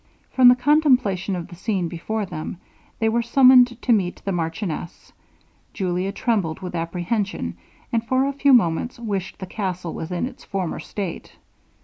From the contemplation of the scene before them, they were summoned to meet the marchioness. Julia trembled with apprehension, and for a few moments wished the castle was in its former state.